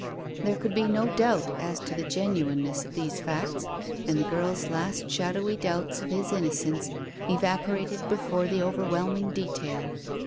There could be no doubt as to the genuineness of these facts, and the girl's last shadowy doubts of his innocence evaporated before the overwhelming detail.